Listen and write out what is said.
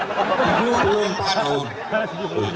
pak jero mangku pusat